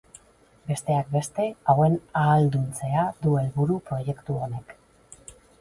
Besteak beste, hauen ahalduntzea du helburu proiektu honek.